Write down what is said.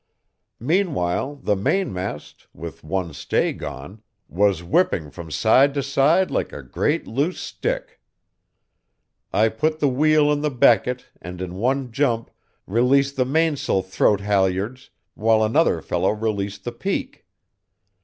"Meanwhile the mainmast, with one stay gone, was whipping from side to side like a great, loose stick. I put the wheel in the becket and in one jump released the mains'l throat halyards, while another fellow released the peak.